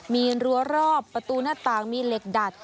มีรั้วรอบประตูหน้าต่างมีเหล็กดัด